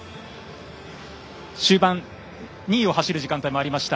終盤２位を走る時間がありました。